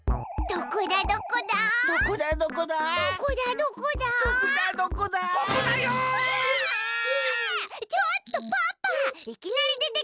どこだどこだって。